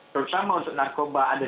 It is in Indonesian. terutama untuk narkoba ada